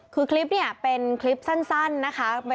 คือคลิปเนี่ยเป็นคลิปสั้นนะคะ